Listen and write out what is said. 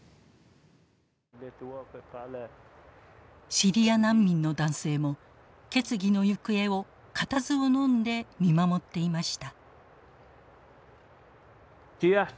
シリア難民の男性も決議の行方を固唾をのんで見守っていました。